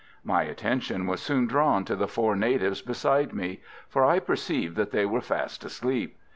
My attention was soon drawn to the four natives beside me, for I perceived that they were fast asleep.